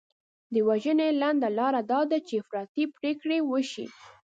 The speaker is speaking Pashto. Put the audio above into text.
د وژنې لنډه لار دا ده چې افراطي پرېکړې وشي.